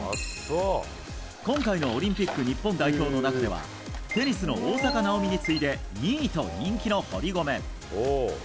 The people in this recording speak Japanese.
今回のオリンピック日本代表の中ではテニスの大坂なおみに次いで２位と人気の堀米。